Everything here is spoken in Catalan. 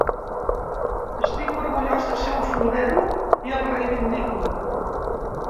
Estic orgullós de ser un ‘florero’ i el reivindico.